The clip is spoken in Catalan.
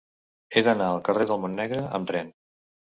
He d'anar al carrer del Montnegre amb tren.